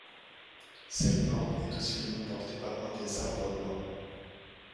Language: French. Celeborn est aussi le nom porté par un des Arbres Blancs.